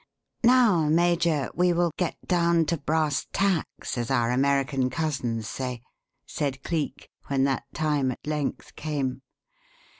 "Now, Major, we will get down to brass tacks, as our American cousins say," said Cleek, when that time at length came.